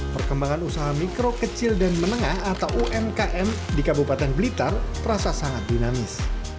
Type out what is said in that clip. perkembangan usaha mikro kecil dan menengah atau umkm di kabupaten blitar terasa sangat dinamis